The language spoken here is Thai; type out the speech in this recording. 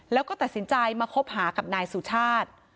แล้วก็ตัดสินใจมาคบหากับนายสุชาติ